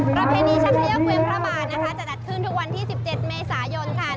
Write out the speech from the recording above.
ประเภทนี้ชักเรียกเกวียนพระบาทจะดัดครึ่งทุกวันที่๑๗เมษายน